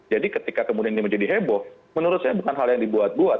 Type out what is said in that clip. jadi ketika kemudian ini menjadi heboh menurut saya bukan hal yang dibuat buat